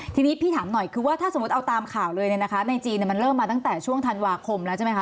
ทีนี้พี่ถามหน่อยคือว่าถ้าสมมุติเอาตามข่าวเลยเนี่ยนะคะในจีนมันเริ่มมาตั้งแต่ช่วงธันวาคมแล้วใช่ไหมคะ